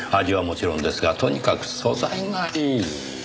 味はもちろんですがとにかく素材がいい。